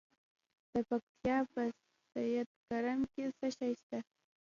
د پکتیا په سید کرم کې څه شی شته؟